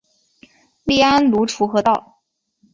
隶安庐滁和道。